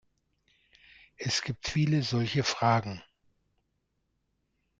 Es gibt viele solche Fragen.